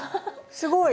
すごい！